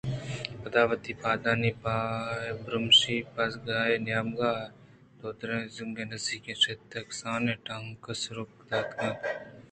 پدا وتی پادانی بے برٛمشی ءَ پیژگاہے نیمگ ءَ دروازگ ءِ نزّیکءَ شت ءُکسانیں ٹنگ ءَ سُرک دیگ ءَ لگ اِت